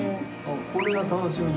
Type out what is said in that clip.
これが楽しみで。